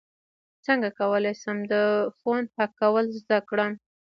څنګه کولی شم د فون هک کول زده کړم